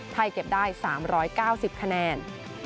เก็บได้๓๙๐คะแนน